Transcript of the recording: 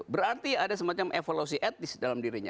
berarti ada semacam evolusi etnis dalam dirinya